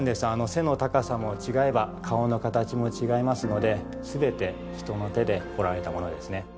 背の高さも違えば顔の形も違いますので全て人の手で彫られたものですね。